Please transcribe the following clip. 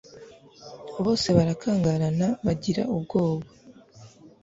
Bose barakangarana bagira ubwoba.